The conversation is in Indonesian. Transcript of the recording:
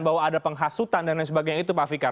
bahwa ada penghasutan dan lain sebagainya itu pak fikar